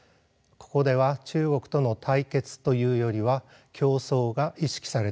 ここでは中国との対決というよりは競争が意識されています。